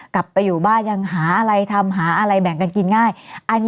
กลับไปอยู่บ้านยังหาอะไรทำหาอะไรแบ่งกันกินง่าย